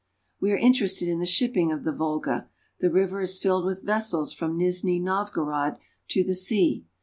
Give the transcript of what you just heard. We are interested in the shipping of the Volga. The river is filled with vessels from Nizhni Novgorod to the sea.